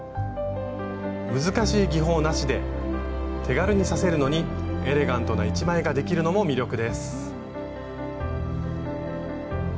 難しい技法なしで手軽に刺せるのにエレガントな一枚ができるのも魅力です。